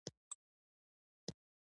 زور مې نه رسېږي.